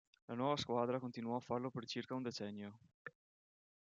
La nuova squadra continuò a farlo per circa un decennio.